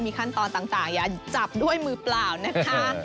ขั้นตอนต่างอย่าจับด้วยมือเปล่านะคะ